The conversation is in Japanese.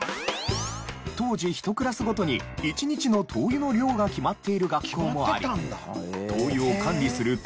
当時１クラスごとに１日の灯油の量が決まっている学校もあり灯油を管理する灯油係の采配ミスで。